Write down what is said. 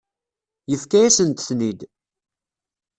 Yefka-yasent-ten-id.